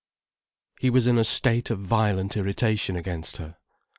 He was in a state of violent irritation against her.